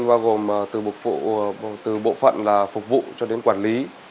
bao gồm từ bộ phận phục vụ cho đến quản lý